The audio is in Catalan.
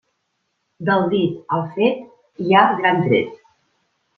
Del dit al fet, hi ha gran tret.